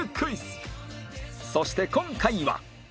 そして今回は